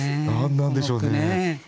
何なんでしょうね。